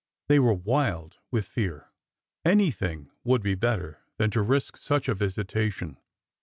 They were wild with fear. Anything would be better than to risk such a visitation.